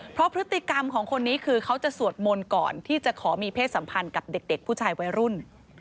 เพราะพฤติกรรมของคนนี้คือเขาจะสวดมนต์ก่อนที่จะขอมีเพศสัมพันธ์กับเด็กผู้ชายวัยรุ่น